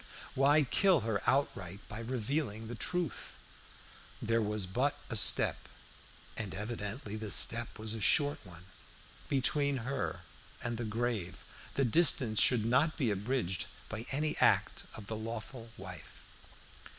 Why kill her outright by revealing the truth? There was but a step and evidently the step was a short one between her and the grave. The distance should not be abridged by any act of the lawful wife.